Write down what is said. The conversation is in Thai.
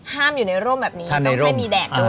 ห้ามอยู่ในร่มแบบนี้ต้องให้มีแดดโดนบ้าง